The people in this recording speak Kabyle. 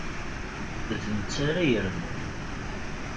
D netta ara yernun.